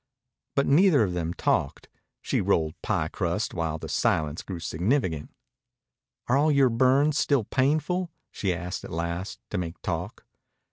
But neither of them talked. She rolled pie crust while the silence grew significant. "Are your burns still painful?" she asked at last, to make talk.